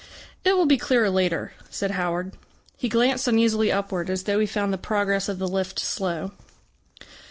"It will be clearer later," said Howard. He glanced uneasily upward, as though he found the progress of the lift slow.